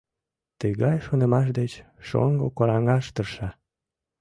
Тыгай шонымаш деч шоҥго кораҥаш тырша.